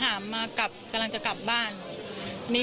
พูดสิทธิ์ข่าวธรรมดาทีวีรายงานสดจากโรงพยาบาลพระนครศรีอยุธยาครับ